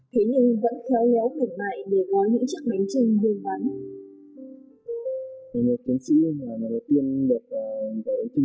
thế nhưng vẫn khéo héo hủng bại